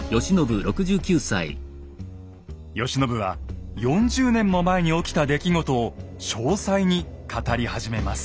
慶喜は４０年も前に起きた出来事を詳細に語り始めます。